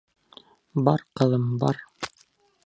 Бар, ҡыҙым, бар.